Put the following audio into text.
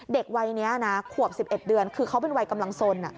เด็กวัยนี้นะขวบ๑๑เดือนคือเขาเป็นวัยกำลังสน